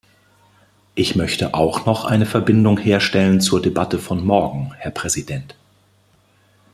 Ich möchte auch noch eine Verbindung herstellen zur Debatte von morgen, Herr Präsident.